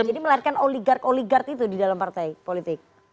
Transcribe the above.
jadi melihatkan oligark oligark itu di dalam partai politik